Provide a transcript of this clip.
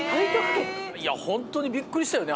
いやホントにびっくりしたよね